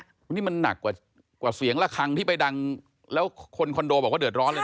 นี่มันหนักกว่าเสียงระคังที่ไปดังแล้วคนคอนโดบอกว่าเดือดร้อนเลย